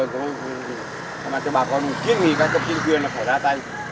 cho bà con kiếp nghỉ các cộng chính quyền là phải ra tay